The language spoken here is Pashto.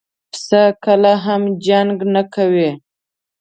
پسه کله هم جنګ نه کوي.